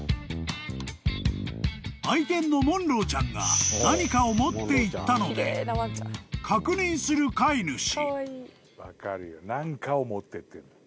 ［愛犬のモンローちゃんが何かを持っていったので確認する飼い主］